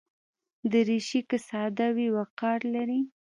دریشي که ساده وي، وقار لري.